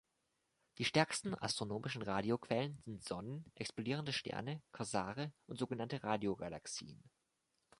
Die stärksten astronomischen Radioquellen sind Sonnen, explodierende Sterne, Quasare und sogenannte Radiogalaxien.